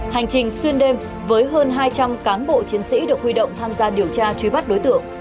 hành trình xuyên đêm với hơn hai trăm linh cán bộ chiến sĩ được huy động tham gia điều tra truy bắt đối tượng